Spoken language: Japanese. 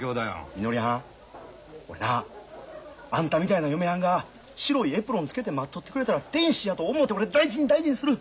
みのりはん俺なあんたみたいな嫁はんが白いエプロンつけて待っとってくれたら天使やと思うて俺大事に大事にする。